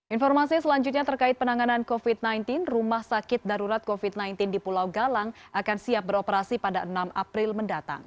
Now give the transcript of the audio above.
informasi selanjutnya terkait penanganan covid sembilan belas rumah sakit darurat covid sembilan belas di pulau galang akan siap beroperasi pada enam april mendatang